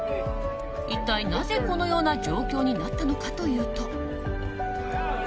一体なぜ、このような状況になったかというと。